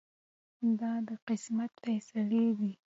د قسمت فیصلې دي.